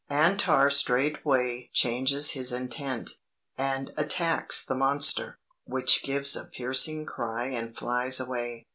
"Antar straightway changes his intent, and attacks the monster, which gives a piercing cry and flies away.